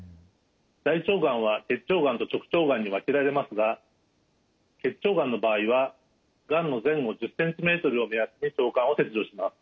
大腸がんは結腸がんと直腸がんに分けられますが結腸がんの場合はがんの前後１０ｃｍを目安に腸管を切除します。